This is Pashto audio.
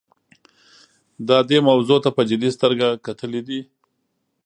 دا دې موضوع ته په جدي سترګه کتلي دي.